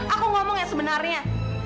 aku ngomong ya sebenarnya